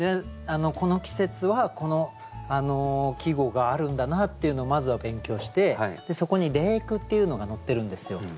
この季節はこの季語があるんだなっていうのをまずは勉強してそこに例句っていうのが載ってるんですよ。